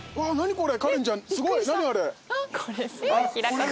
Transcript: これ。